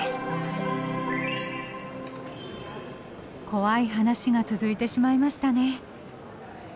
怖い話が続いてしまいましたね。